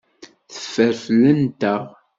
Teffer fell-anteɣ.